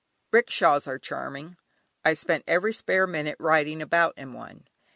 "Rickshaws" are charming; I spent every spare minute riding about in one.